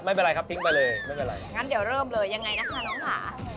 ไม่เป็นไรครับทิ้งไปเลยไม่เป็นไรงั้นเดี๋ยวเริ่มเลยยังไงนะคะน้องค่ะ